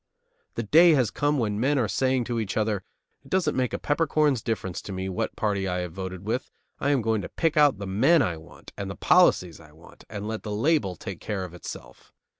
The day has come when men are saying to each other: "It doesn't make a peppercorn's difference to me what party I have voted with. I am going to pick out the men I want and the policies I want, and let the label take care of itself.